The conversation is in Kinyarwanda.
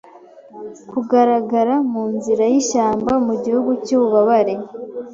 Kugaragara munzira yishyamba mugihugu cyububabare